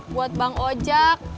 buat bang ojak